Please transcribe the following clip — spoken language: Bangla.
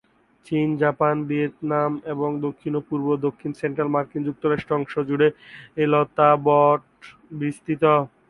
চীন, জাপান, ভিয়েতনাম এবং দক্ষিণ-পূর্ব ও দক্ষিণ-সেন্ট্রাল মার্কিন যুক্তরাষ্ট্র অংশ জুড়ে এই লতা বট বিস্তৃত।